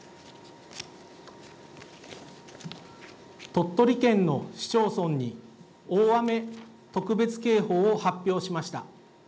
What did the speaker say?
鳥取県の市町村に、大雨特別警報を発表しました。